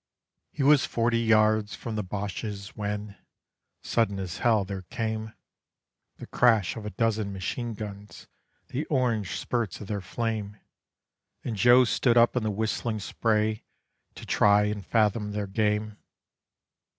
_" "He was forty yards from the Bosches when, sudden as Hell, there came The crash of a dozen machine guns, the orange spurts of their flame, And Joe stood up in the whistling spray to try and fathom their game.